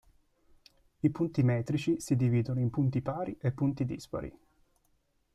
I punti metrici si dividono in punti pari e punti dispari.